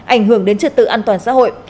ảnh hưởng đến trực tự an toàn xã hội